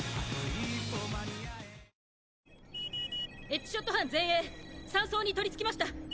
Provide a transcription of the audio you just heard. エッジショット班前衛山荘に取りつきました。